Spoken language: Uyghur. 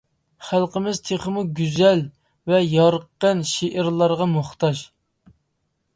خەلقىمىز تېخىمۇ گۈزەل ۋە يارقىن شېئىرلارغا موھتاج.